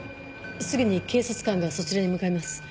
すぐに警察官がそちらに向かいます。